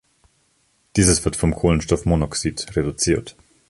Dieses wird vom Kohlenstoffmonoxid reduziert.